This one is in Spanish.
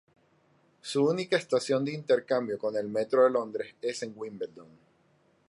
Su única estación de intercambio con el Metro de Londres es en Wimbledon.